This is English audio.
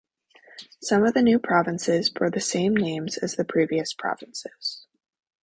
Some of the new provinces bore the same names as the previous provinces.